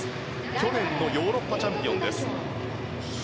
去年のヨーロッパチャンピオン。